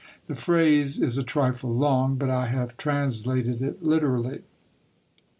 (The phrase is a trifle long, but I have translated it literally.)